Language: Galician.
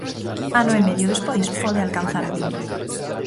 Ano e medio despois, pode alcanzar a gloria.